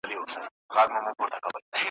د زړه صبر او اجرونه غواړم `